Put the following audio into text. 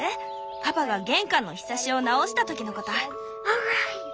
パパが玄関のひさしを直した時のこと。